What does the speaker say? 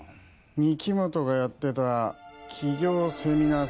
御木本がやってた起業セミナー